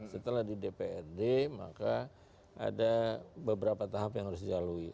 setelah di dprd maka ada beberapa tahap yang harus dilalui